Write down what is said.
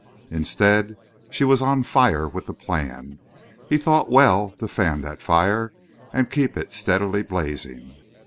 Instead, she was on fire with the plan. He thought well to fan that fire and keep it steadily blazing.